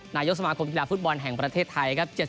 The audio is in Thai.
นายกสมาคมธุระฟุตบอลแห่งประเทศไทย